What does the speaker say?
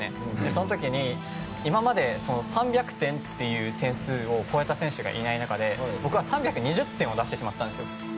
その時に今まで３００点という点数を超えた選手がいない中で僕は３２０点を出してしまったんですよ。